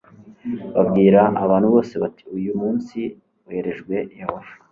babwira abantu bose bati uyu ni umunsi werejwe yehova